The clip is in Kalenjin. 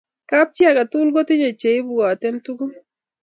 kap chi aketugul kotinye cheibwaten tuguk